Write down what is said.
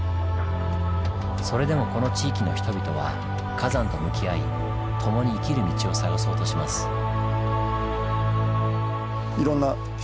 それでもこの地域の人々は火山と向き合い共に生きる道を探そうとします。成果？